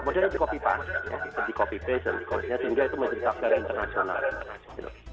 modalnya di kopi park di kopi fashion kalau tidak itu menjadi tagar internasional